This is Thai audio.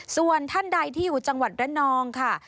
ส่วนท่านใดที่อยู่จังหวัดระนองค่ะ